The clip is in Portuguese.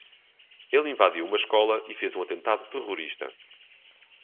Ele invadiu uma escola e fez um atentado terrorista